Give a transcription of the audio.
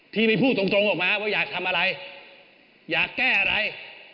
ที่ไม่พูดตรงตรงออกมาว่าอยากทำอะไรอยากแก้อะไร